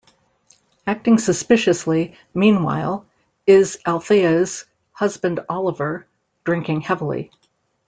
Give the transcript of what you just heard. Acting suspiciously, meanwhile, is Althea's husband Oliver, drinking heavily.